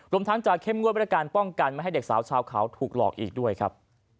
ทั้งจะเข้มงวดด้วยการป้องกันไม่ให้เด็กสาวชาวเขาถูกหลอกอีกด้วยครับ